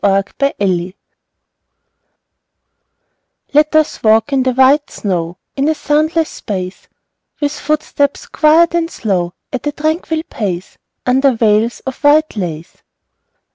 VELVET SHOES Let us walk in the white snow In a soundless space; With footsteps quiet and slow, At a tranquil pace, Under veils of white lace.